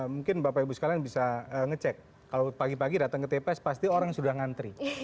mungkin bapak ibu sekalian bisa ngecek kalau pagi pagi datang ke tps pasti orang sudah ngantri